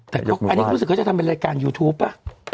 แต่อันนี้ก็จะทำเป็นรายการยูทูปป่ะ